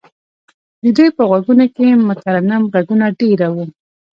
د دوی په غوږونو کې مترنم غږونه دېره وو.